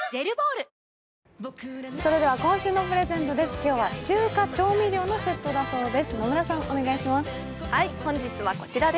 今日は中華調味料のセットだそうです。